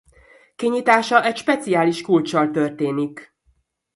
Kinyitása egy speciális kulccsal történik.